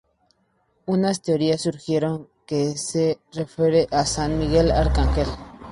Unas teorías sugieren que se refiere a San Miguel Arcángel.